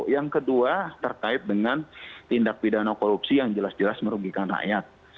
yang kedua terkait dengan tindak pidana korupsi yang jelas jelas merugikan rakyat